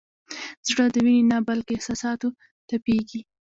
زړه د وینې نه بلکې احساساتو تپېږي.